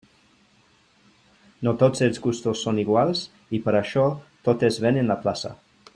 No tots els gustos són iguals, i per això tot es ven en la plaça.